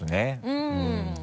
うん。